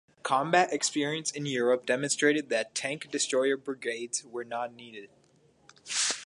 Combat experience in Europe demonstrated that tank destroyer brigades were not needed.